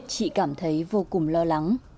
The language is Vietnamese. chị cảm thấy vô cùng lo lắng